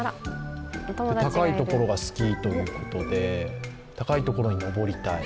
高いところが好きということで高い所に上りたい。